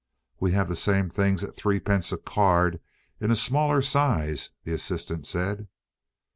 "We have the same things at threepence a card in a smaller size," the assistant said.